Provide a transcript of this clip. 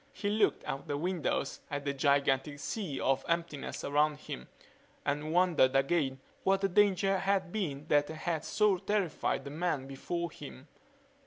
He looked out the windows at the gigantic sea of emptiness around him and wondered again what the danger had been that had so terrified the men before him.